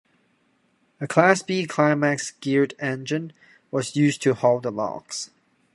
A Class-B Climax geared engine was used to haul the logs.